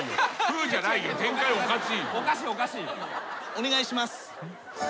お願いします。